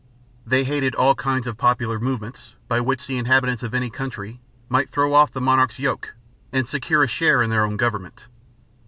They hated all kinds of popular movements by which the inhabitants of any country might throw off the monarch's yoke and secure a share in their own government.